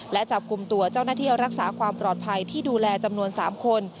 และจับกลุ่มตัวเจ้าหน้าที่รักษาความปลอดภัยที่ดูแลจำนวน๓คน